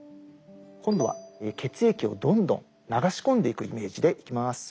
今度は血液をどんどん流し込んでいくイメージでいきます。